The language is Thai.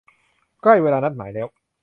ใกล้เวลานัดหมายแล้ว